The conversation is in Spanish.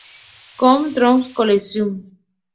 Konami Taisen Colosseum